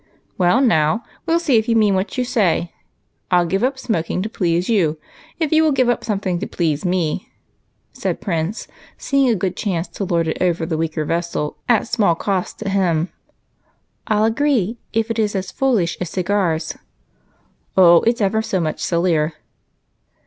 "Well, now, we'll see if you mean wliat you say. I '11 give up smoking to please you, if you will give up something to please me," said Prince, seeing a good chance to lord it over the weaker vessel at small cost to himself. " I '11 agree if it is as foolish as cigars." " Oh, it 's ever so much sillier."